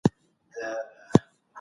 د افغان اتلانو دي رب العالمين ناصر سي،